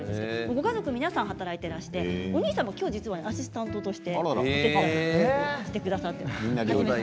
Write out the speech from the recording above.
ご家族皆さん働いていらっしゃってお兄さんがアシスタントとして来てくださっています。